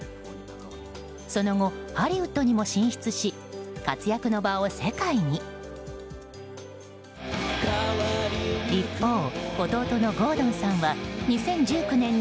その後、ハリウッドにも進出し活躍の場を世界に。